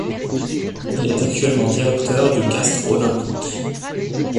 Il est actuellement directeur du Castres olympique.